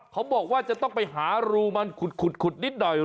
เขาบอกว่าจะต้องไปหารูมันขุดนิดหน่อย